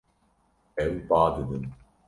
Ew ba didin.